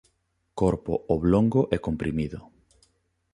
Corpo oblongo e comprimido.